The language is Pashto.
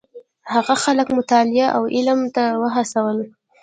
هغه خلک مطالعې او علم ته وهڅول.